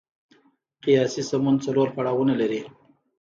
قیاسي سمون څلور پړاوونه لري.